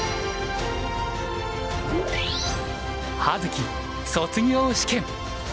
葉月卒業試験。